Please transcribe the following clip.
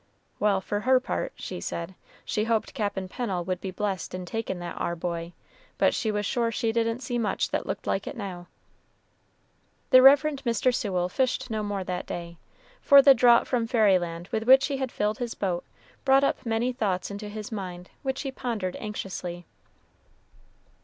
"Well, for her part," she said, "she hoped Cap'n Pennel would be blessed in takin' that ar boy; but she was sure she didn't see much that looked like it now." The Rev. Mr. Sewell fished no more that day, for the draught from fairy land with which he had filled his boat brought up many thoughts into his mind, which he pondered anxiously.